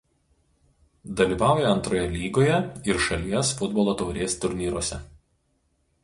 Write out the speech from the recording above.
Dalyvauja Antroje lygoje ir šalies futbolo taurės turnyruose.